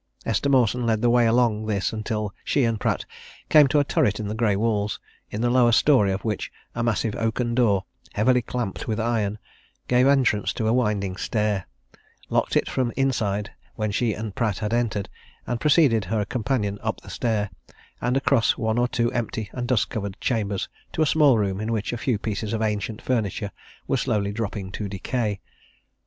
Esther Mawson led the way along this until she and Pratt came to a turret in the grey walls, in the lower story of which a massive oaken door, heavily clamped with iron, gave entrance to a winding stair, locked it from inside when she and Pratt had entered, and preceded her companion up the stair, and across one or two empty and dust covered chambers to a small room in which a few pieces of ancient furniture were slowly dropping to decay.